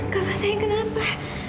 kau sayang kenapa